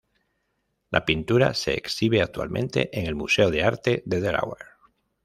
La pintura se exhibe actualmente en el Museo de Arte de Delaware.